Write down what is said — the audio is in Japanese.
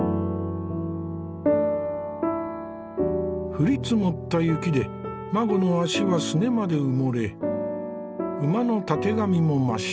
降り積もった雪で馬子の足はすねまで埋もれ馬のたてがみも真っ白。